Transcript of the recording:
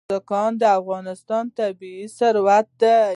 بزګان د افغانستان طبعي ثروت دی.